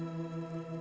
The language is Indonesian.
setiap senulun buat